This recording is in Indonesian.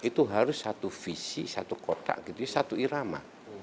itu harus satu visi satu kotak satu irama